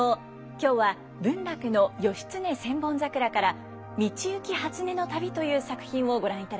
今日は文楽の「義経千本桜」から「道行初音旅」という作品をご覧いただきます。